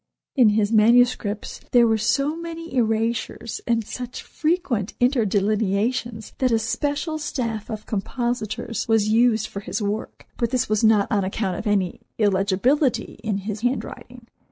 In his manuscripts there were so many erasures, and such frequent interlineations that a special staff of compositors was used for his work, but this was not on account of any illegibility in his handwriting.